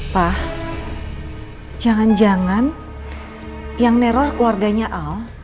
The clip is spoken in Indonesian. pa jangan jangan yang neror keluarganya al